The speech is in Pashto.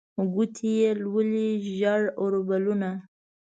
ګوتې یې لولي ژړ اوربلونه